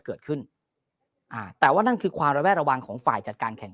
เกิดขึ้นอ่าแต่ว่านั่นคือความระแวดระวังของฝ่ายจัดการแข่ง